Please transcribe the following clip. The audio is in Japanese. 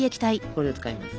これを使います！